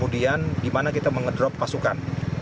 di mana kita mengedrop pasukan